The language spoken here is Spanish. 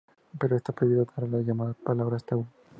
Pero está prohibido decir las llamadas palabras tabú.